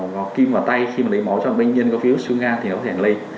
và kim vào tay khi mà lấy máu trong bệnh nhân có virus xương gan thì nó có thể lây